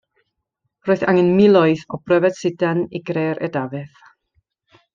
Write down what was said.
Roedd angen miloedd o bryfed sidan i greu'r edafedd.